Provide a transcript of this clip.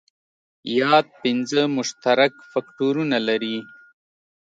یاد پنځه مشترک فکټورونه لري.